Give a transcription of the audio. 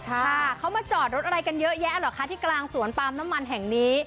ค่ะเขามาจอดรถอะไรกันเยอะแยะเหรอคะที่กลางสวนปาล์มน้ำมันแห่งนี้